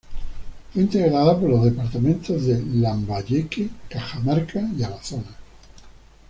Fue integrada por los departamentos de Lambayeque, Cajamarca y Amazonas.